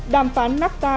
đàm phán nafta